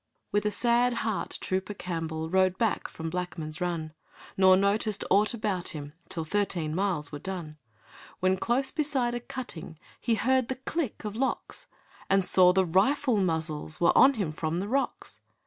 ..... With a sad heart Trooper Campbell Rode back from Blackman's Run, Nor noticed aught about him Till thirteen miles were done; When, close beside a cutting, He heard the click of locks, And saw the rifle muzzles Were on him from the rocks.